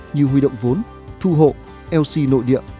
như huy động vốn thu hộ lc nội địa